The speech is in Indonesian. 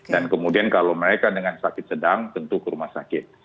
dan kemudian kalau mereka dengan sakit sedang tentu ke rumah sakit